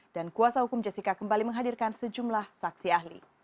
kuasa hukum jessica kembali menghadirkan sejumlah saksi ahli